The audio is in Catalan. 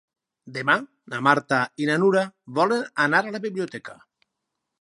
Demà na Marta i na Nura volen anar a la biblioteca.